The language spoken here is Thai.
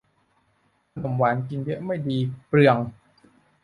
ขนมหวานกินเยอะไม่ดี เปลือง